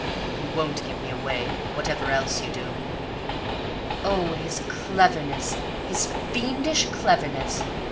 You won't give me away, whatever else you do!" Oh, his cleverness! His fiendish cleverness!